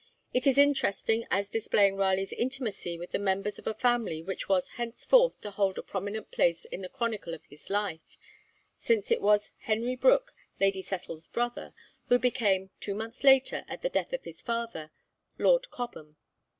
It is interesting as displaying Raleigh's intimacy with the members of a family which was henceforth to hold a prominent place in the chronicle of his life, since it was Henry Brooke, Lady Cecil's brother, who became, two months later, at the death of his father, Lord Cobham.